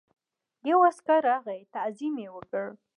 یو عسکر راغی تعظیم یې وکړ.